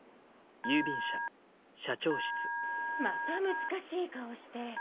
・また難しい顔して！